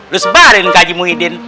lo sebarin ke haji muhyiddin